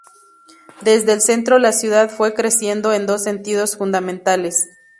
Desde el centro la ciudad fue creciendo en dos sentidos fundamentales.